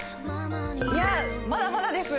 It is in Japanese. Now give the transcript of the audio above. いやまだまだです